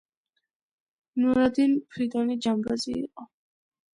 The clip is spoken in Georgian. ნურადინ ფრიდონი ჯამბაზი იყო